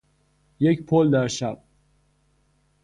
یک پل در شب